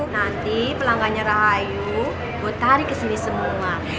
nanti pelanggannya rahayu gue tarik kesini semua